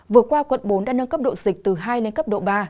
vừa qua quận bốn đã nâng cấp độ dịch từ hai lên cấp độ ba